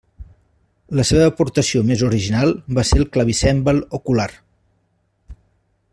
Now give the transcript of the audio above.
La seva aportació més original va ser el clavicèmbal ocular.